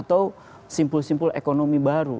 atau simpul simpul ekonomi baru